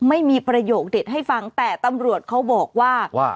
ไม่มีประโยคเด็ดให้ฟังแต่ตำรวจเขาบอกว่า